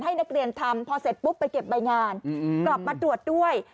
ให้นักเรียนทำพอเสร็จปุ๊บไปเก็บใบงานกลับมาตรวจด้วย